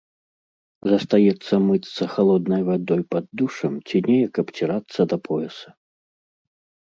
Застаецца мыцца халоднай вадой пад душам ці неяк абцірацца да пояса.